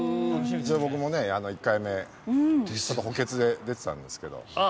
一応僕もね１回目ちょっと補欠で出てたんですけどあっ